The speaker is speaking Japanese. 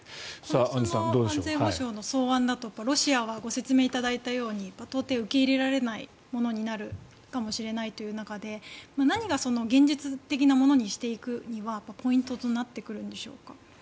その安全保障の草案だとロシアはご説明いただいたように到底受け入れられないものになるかもしれない中で何が現実的なものにしていくにはポイントとなってくるんでしょうか？